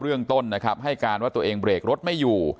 เรื่องต้นนะครับให้การว่าตัวเองเบรกรถไม่อยู่